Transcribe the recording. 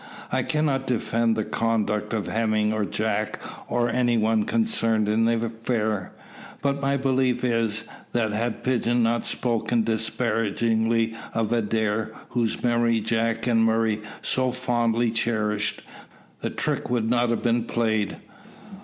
I cannot defend the conduct of Hemming or Jack, or any one concerned in the affair, but my belief is, that had Pigeon not spoken disparagingly of Adair, whose memory Jack and Murray so fondly cherished, the trick would not have been played.